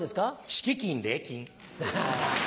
敷金礼金。